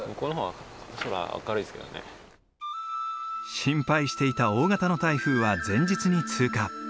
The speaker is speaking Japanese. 心配していた大型の台風は前日に通過。